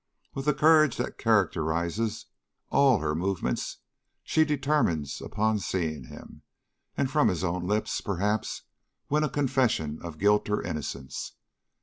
With the courage that characterizes all her movements, she determines upon seeing him, and from his own lips, perhaps, win a confession of guilt or innocence.